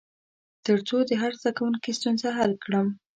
تر څو د هر زده کوونکي ستونزه حل کړم.